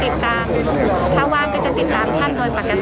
ทีนี้พอซากข่าวว่านายมจะไปพีเทคอุครี